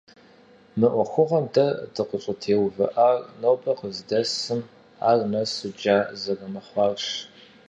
Мы ӏуэхугъуэм дэ дыкъыщӏытеувыӏар нобэр къыздэсым ар нэсу джа зэрымыхъуарщ.